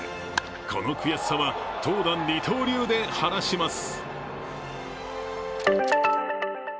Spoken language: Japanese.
この悔しさは投打二刀流で晴らします。